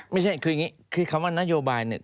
ไม่ใช่คืออย่างนี้คือคำว่านโยบายเนี่ย